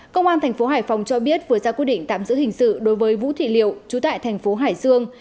công an thành phố hải phòng cho biết vừa ra quyết định tạm giữ hình sự đối với vũ thị liệu trú tại thành phố hải dương